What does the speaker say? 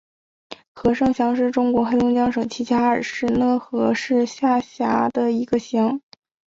和盛乡是中国黑龙江省齐齐哈尔市讷河市下辖的一个乡。